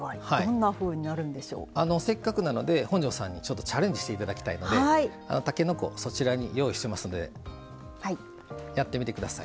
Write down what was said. せっかくなので本上さんにチャレンジしていただきたいのでたけのこそちらに用意してますのでやってみてください。